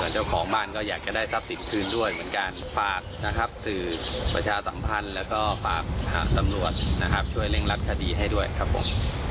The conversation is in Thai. เจ้าของบ้านก็อยากจะได้ทรัพย์สินคืนด้วยเหมือนกันฝากนะครับสื่อประชาสัมพันธ์แล้วก็ฝากทางตำรวจนะครับช่วยเร่งรัดคดีให้ด้วยครับผม